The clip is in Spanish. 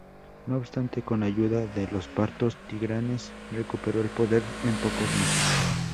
No obstante, con ayuda de los partos, Tigranes recuperó el poder en pocos meses.